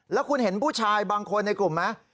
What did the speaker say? แล้วคุณเห็นผู้ชายบางคนในกลุ่มไหม